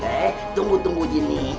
hei tunggu tunggu jinny